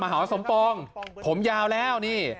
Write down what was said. มหาสมปองผมยาวแล้วนี่